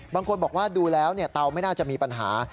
บางคนบอกว่าดูแล้วเตาไม่น่าจะมีปัญหา